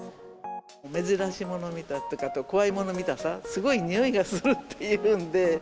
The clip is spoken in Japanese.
珍しいもの見たさと、怖いもの見たさ、すごいにおいがするっていうんで。